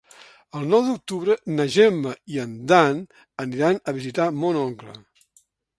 El nou d'octubre na Gemma i en Dan aniran a visitar mon oncle.